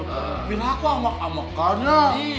tapi saya amat amat ya